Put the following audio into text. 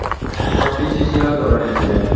সবকিছুই ছিল জলের নীচে।